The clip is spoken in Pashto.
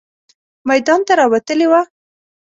میدان ته راوتلې وه.